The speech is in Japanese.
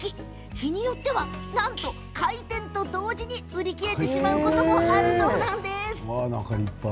日によっては開店と同時に売り切れてしまうこともあるのだそうです。